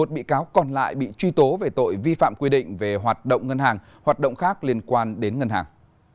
một mươi bị cáo còn lại bị truy tố về tội vi phạm quy định về hoạt động ngân hàng hoạt động khác liên quan đến ngân hàng